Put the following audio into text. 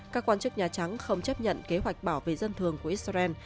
các quan chức nhà trắng không chấp nhận kế hoạch bảo vệ dân thường của israel